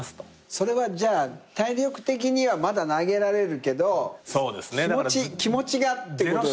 それはじゃあ体力的にはまだ投げられるけど気持ちがってことですか？